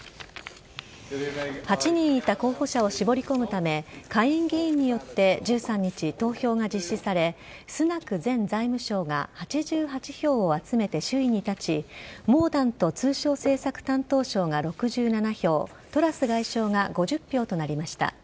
８人いた候補者を絞り込むため下院議員によって１３日、投票が実施されスナク前財務相が８８票を集めて首位に立ちモーダント通商政策担当相が６７票トラス外相が５０票となりました。